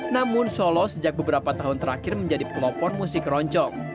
namun solo sejak beberapa tahun terakhir menjadi pelopon musik keroncong